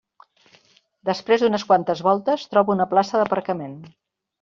Després d'unes quantes voltes trobo una plaça d'aparcament.